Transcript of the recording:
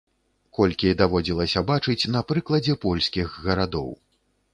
Колькі даводзілася бачыць на прыкладзе польскіх гарадоў.